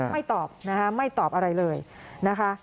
ตอบนะคะไม่ตอบอะไรเลยนะคะ